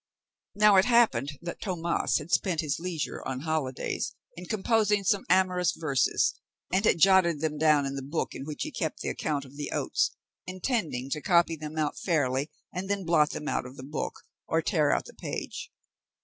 Now it happened that Tomas had spent his leisure on holidays in composing some amorous verses, and had jotted them down in the book in which he kept the account of the oats, intending to copy them out fairly, and then blot them out of the book, or tear out the page.